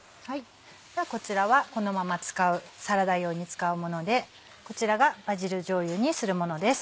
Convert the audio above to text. ではこちらはこのまま使うサラダ用に使うものでこちらがバジルじょうゆにするものです。